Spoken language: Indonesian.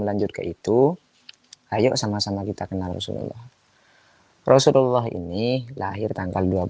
lanjut ke itu ayo sama sama kita kenal rasulullah rasulullah ini lahir tanggal